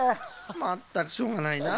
まったくしょうがないなあ。